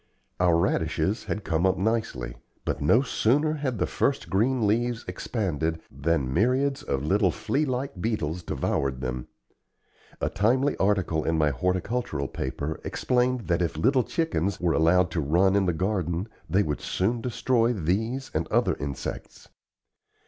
Our radishes had come up nicely; but no sooner had the first green leaves expanded than myriads of little flea like beetles devoured them. A timely article in my horticultural paper explained that if little chickens were allowed to run in the garden they would soon destroy these and other insects.